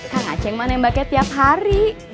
kang acing mah nembaknya tiap hari